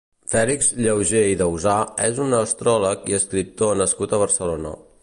Fèlix Llaugé i Dausà és un astròleg i escriptor nascut a Barcelona.